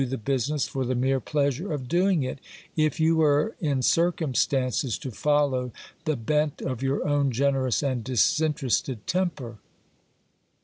the business for the mere pleasure cf doing it, if you were in circumstances to follow the bent of your own generous and disinterested temper.